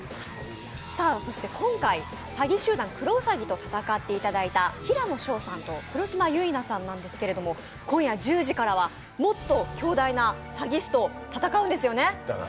今回、詐欺集団クロウサギと戦っていただいた平野紫耀さんと黒島結菜さんなんですけども、今夜１０時からはもっと強大な詐欺師と戦うんですよね？